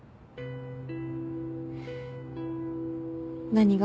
何が？